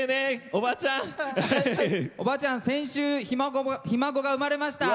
おばあちゃん、先週ひ孫が生まれました。